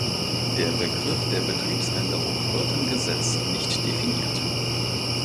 Der Begriff der Betriebsänderung wird im Gesetz nicht definiert.